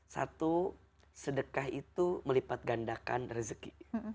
satu sedekah itu melipat gandakan rezeki